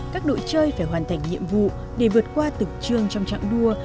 các đội chơi phải hoàn thành nhiệm vụ để vượt qua từng trường trong trạng đua